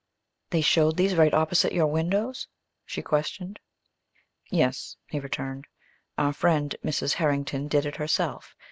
"They showed these right opposite your windows?" she questioned. "Yes," he returned. "Our friend Mrs. Herrington did it herself.